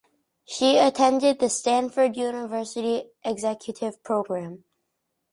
She attended the Stanford University Executive Program.